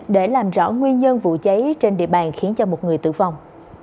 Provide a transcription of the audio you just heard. để làm rõ nguyên nhân vụ cháy trên địa bàn khiến cho một người tử vong